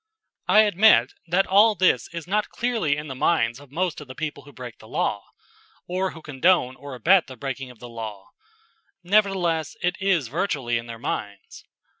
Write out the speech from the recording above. I admit that all this is not clearly in the minds of most of the people who break the law, or who condone or abet the breaking of the law. Nevertheless it is virtually in their minds.